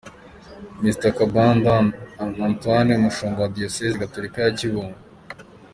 Mgr Kambanda Antoine umushumba wa Diyosezi gatorika ya Kibungo.